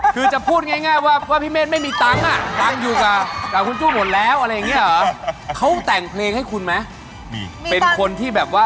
คือจะพูดง่ายว่าพี่เมดไม่มีตังค์อ่ะ